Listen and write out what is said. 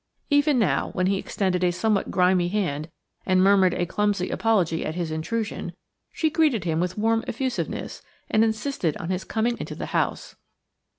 Even now, when he extended a somewhat grimy hand and murmured a clumsy apology at his intrusion, she greeted him with warm effusiveness and insisted on his coming into the house.